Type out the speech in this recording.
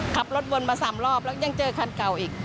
ขับรถวนมา๓รอบแล้วยังเจอคันเก่าอีก